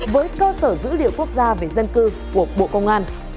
với cơ sở dữ liệu quốc gia về dân cư của bộ công an